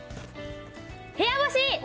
部屋干し。